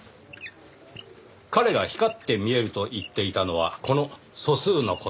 彼が光って見えると言っていたのはこの素数の事。